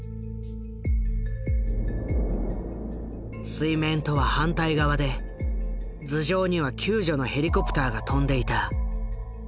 水面とは反対側で頭上には救助のヘリコプターが飛んでいた。